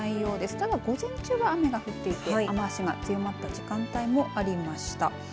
ただ、午前中は雨が降っていて雨足が強まった時間帯もありました。